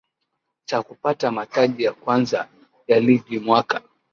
Cha kupata mataji ya kwanza ya Ligi mwaka